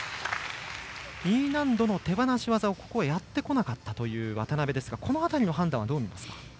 Ｅ難度の手放し技をここはやってこなかったという渡部ですがこの辺りの判断はどう見ますか？